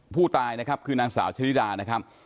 ผู้ตายนะครับคือนางสาวชะลิดานะครับ